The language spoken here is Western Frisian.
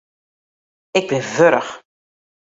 Ik bin wurch.